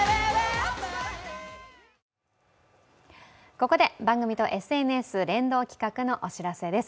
ここで番組とＳＮＳ連動企画のお知らせです。